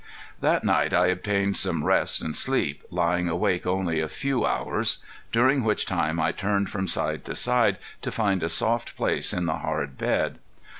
That night I obtained some rest and sleep, lying awake only a few hours, during which time I turned from side to side to find a soft place in the hard bed.